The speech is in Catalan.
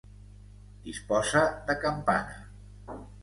Disposa de campana.